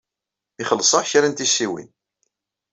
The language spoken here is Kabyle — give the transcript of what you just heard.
Ixelleṣ-aɣ kra n tissiwin.